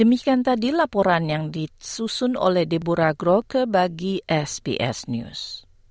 demikian tadi laporan yang disusun oleh deborah groke bagi sbs news